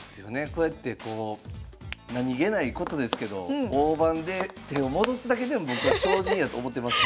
こうやってこう何気ないことですけど大盤で手を戻すだけでも僕は超人やと思ってます。